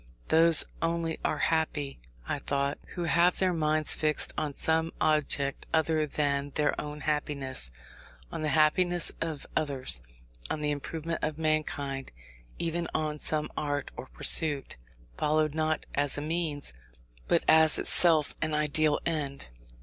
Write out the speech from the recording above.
Those only are happy (I thought) who have their minds fixed on some object other than their own happiness; on the happiness of others, on the improvement of mankind, even on some art or pursuit, followed not as a means, but as itself an ideal end.